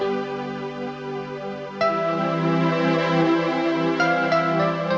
tidak ada lagi penangki